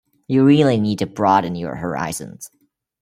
You really need to broaden your horizons.